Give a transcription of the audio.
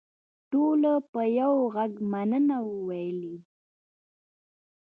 ټولو په یوه غږ مننه وویل.